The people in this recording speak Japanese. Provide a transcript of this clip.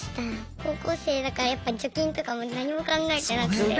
高校生だからやっぱ貯金とかも何も考えてなくて。